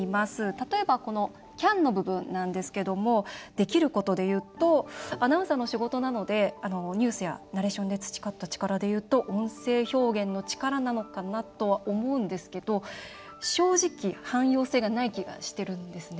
例えば、この「ＣＡＮ」の部分なんですけどできることでいうとアナウンサーの仕事なのでニュースやナレーションで培った力でいうと「音声表現の力」なのかなとは思うんですけど正直、汎用性がない気がしてるんですね。